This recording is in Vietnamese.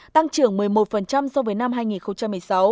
tăng trưởng một mươi một so với năm hai nghìn một mươi sáu